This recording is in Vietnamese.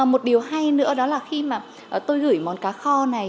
một điều hay nữa đó là khi mà tôi gửi món cá kho này